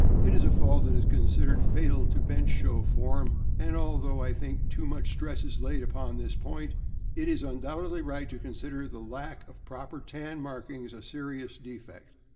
It is a fault that is con sidered fatal to bench show form; and although I think too much stress is laid upon this point, it is undoubtedly right to consider the lack of proper tan markings a serious defect.